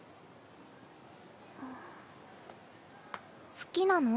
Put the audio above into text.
好きなの？